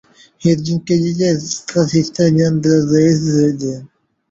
He has been credited as the first historian of the "Risorgimento".